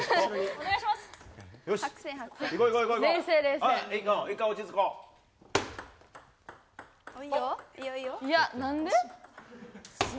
お願いします。